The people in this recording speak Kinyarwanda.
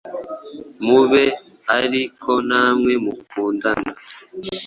mube ari ko namwe mukundana.